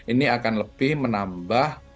ini akan lebih menambah